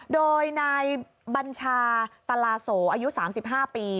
โดยนายบัญชาตลาโสอายุ๓๕ปี